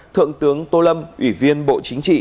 thượng tướng tô lâm ủy viên bộ chính trị